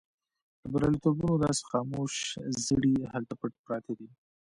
د برياليتوبونو داسې خاموش زړي هلته پټ پراته دي.